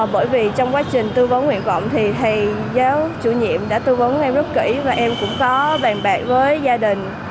bởi vì trong quá trình tư vấn nguyện vọng thì thầy giáo chủ nhiệm đã tư vấn em rất kỹ và em cũng có bàn bạc với gia đình